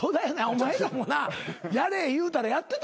お前らもなやれ言うたらやってたか？